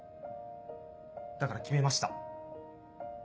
だから決めました。